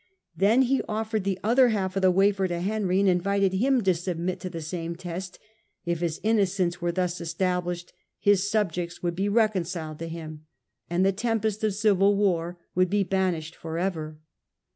Then he offered the other half of the wafer to Henry, and invited him to submit to the same test ; if his innocence were thus established his subjects would be reconciled to him, and the tempest of civil war would be hushed for ever.